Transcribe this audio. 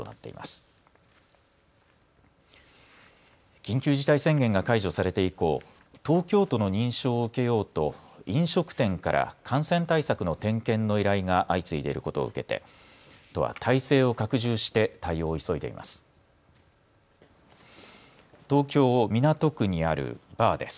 緊急事態宣言が解除されて以降、東京都の認証を受けようと飲食店から感染対策の点検の依頼が相次いでいることを受けて都は態勢を拡充して対応を急いでいます。